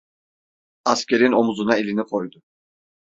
Askerin omuzuna elini koydu.